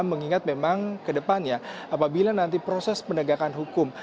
mengingat memang ke depannya apabila nanti proses penegakan hukum